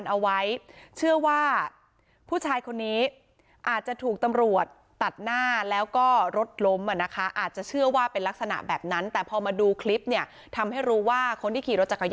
โอ้โฮโอ้โฮโอ้โฮโอ้โฮโอ้โฮโอ้โฮโอ้โฮโอ้โฮ